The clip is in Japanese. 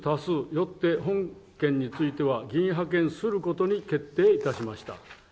よって本件については議員派遣することに決定いたしました。